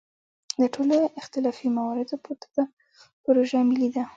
له ټولو اختلافي مواردو پورته دا پروژه ملي ده.